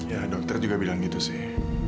ya dokter juga bilang gitu sih